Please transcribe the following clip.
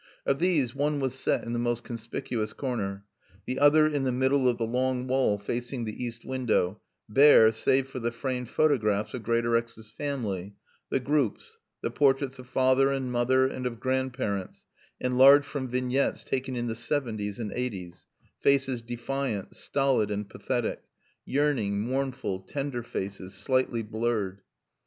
Of these one was set in the most conspicuous corner, the other in the middle of the long wall facing the east window, bare save for the framed photographs of Greatorex's family, the groups, the portraits of father and mother and of grandparents, enlarged from vignettes taken in the seventies and eighties faces defiant, stolid and pathetic; yearning, mournful, tender faces, slightly blurred.